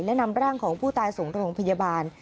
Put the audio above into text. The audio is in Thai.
และนำร่างของผู้ตายส่งโรงพยาบาล